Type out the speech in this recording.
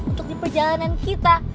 untuk diperjalanan kita